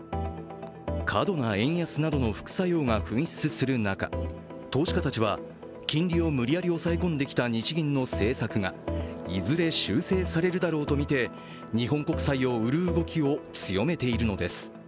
過度な円安などの副作用が噴出する中投資家たちは、金利を無理やり抑え込んできた日銀の政策がいずれ修正されるだろうとみて日本国債を売る動きを強めているのです。